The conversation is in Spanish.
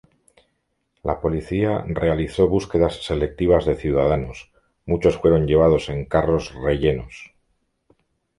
La policía realizó búsquedas selectivas de ciudadanos, muchos fueron llevados en carros rellenos.